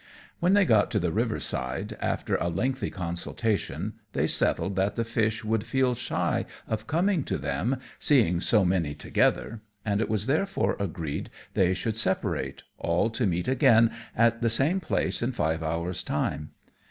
When they got to the river side, after a lengthy consultation, they settled that the fish would feel shy of coming to them, seeing so many together; and it was therefore agreed they should separate, all to meet again at the same place in five hours' time.